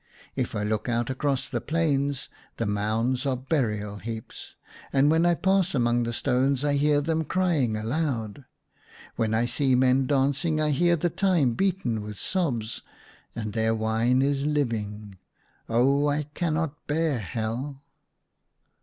If I look out across the plains, the mounds are burial heaps ; and when I pass among the stones I hear them crying aloud. When I see men dancing I hear the time beaten in with sobs ; and their wine is living ! Oh, I cannot bear Hell